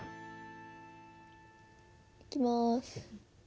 いきます。